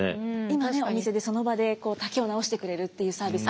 今ねお店でその場で丈を直してくれるっていうサービス